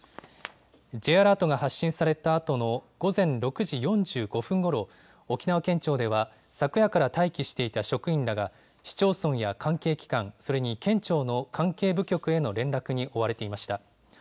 Ｊアラートが発信されたあとの午前６時４５分ごろ、沖縄県庁では、昨夜から待機していた職員らが、市町村や関係機関、それに県庁の関係部局への連絡に追われていました。